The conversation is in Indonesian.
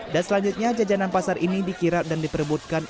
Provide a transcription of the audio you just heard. dan selanjutnya jajanan pasar ini dikirap dan diperbutkan